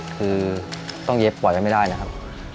คือต้องเย็บปล่อยไว้ไม่ได้นะครับ